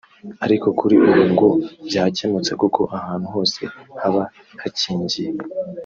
ariko kuri ubu ngo byakemutse kuko ahantu hose haba hakingiye